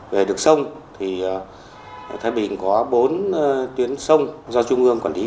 về đường sông thì thái bình có bốn tuyến sông do trung ương quản lý